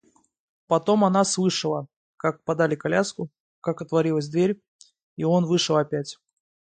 Потом она слышала, как подали коляску, как отворилась дверь, и он вышел опять.